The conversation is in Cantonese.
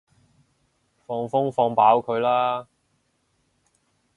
放風放飽佢啦